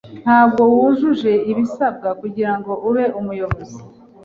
Ntabwo wujuje ibisabwa kugirango ube umuyobozi.